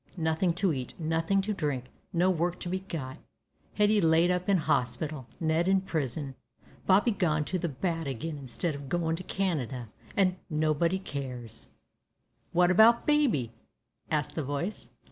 "Nothing to eat, nothing to drink, no work to be got, Hetty laid up in hospital, Ned in prison, Bobby gone to the bad again instead of goin' to Canada, and nobody cares " "What about baby?" asked the Voice.